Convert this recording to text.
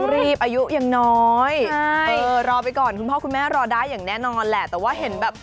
ลอไปก่อนคือพ่อคุณแม่รอได้อย่างแน่นอนแล้วแต่ว่าเห็นแบบ